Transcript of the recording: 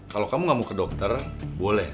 kalau kamu gak mau ke dokter boleh